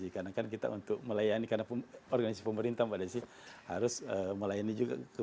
karena kan kita untuk melayani karena organisasi pemerintah mbak desi harus melayani juga